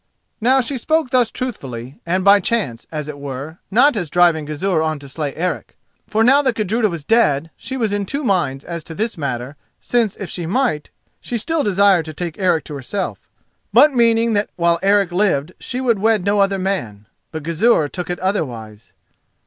Now she spoke thus truthfully, and by chance, as it were, not as driving Gizur on to slay Eric—for, now that Gudruda was dead, she was in two minds as to this matter, since, if she might, she still desired to take Eric to herself—but meaning that while Eric lived she would wed no other man. But Gizur took it otherwise.